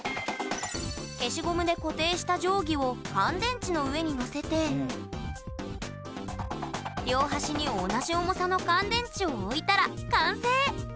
消しゴムで固定した定規を乾電池の上に載せて両端に同じ重さの乾電池を置いたら完成！